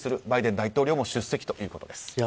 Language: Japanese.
バイデン大統領も出席ということです。